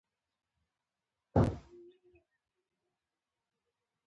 په دې کې څه ستونزه ده دا زموږ شعار کیدای شي